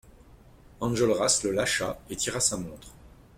Enjolras le lâcha et tira sa montre.